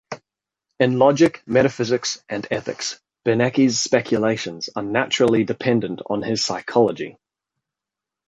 In logic, metaphysics and ethics, Beneke's speculations are naturally dependent on his psychology.